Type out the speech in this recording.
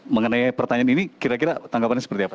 mengenai pertanyaan ini kira kira tanggapannya seperti apa